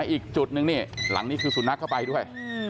อีกจุดนึงนี่หลังนี้คือสุนัขเข้าไปด้วย